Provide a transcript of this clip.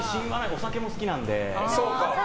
お酒も好きなので。